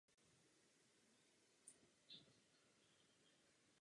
Správním střediskem je Winchester.